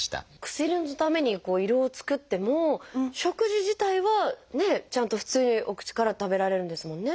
薬のために胃ろうを作っても食事自体はねちゃんと普通にお口から食べられるんですもんね？